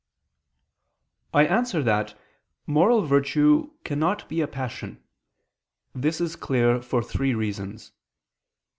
I answer that, Moral virtue cannot be a passion. This is clear for three reasons.